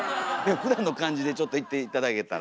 ふだんの感じでちょっといって頂けたら。